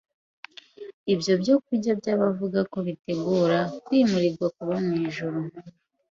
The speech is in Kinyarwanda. i byo byokurya by’abavuga ko bitegura kwimurirwa kuba mu ijuru.